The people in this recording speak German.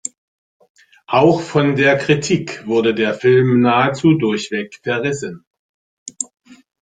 Auch von der Kritik wurde der Film nahezu durchweg verrissen.